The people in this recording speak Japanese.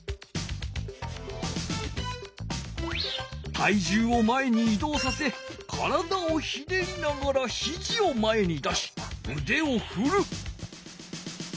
体じゅうを前にいどうさせ体をひねりながらひじを前に出しうでをふる。